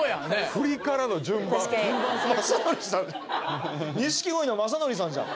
振りからの順番まさのりさんじゃん